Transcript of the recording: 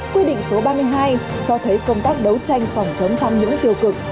quy định số ba mươi hai cho thấy công tác đấu tranh phòng chống tham nhũng tiêu cực